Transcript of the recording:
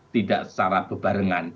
tidak secara berbarengan